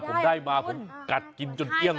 พอผมได้มาผมกัดกินจนเยี่ยมเลย